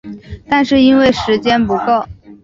但是因为时间不够